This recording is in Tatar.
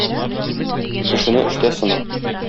Кешене эштә сына.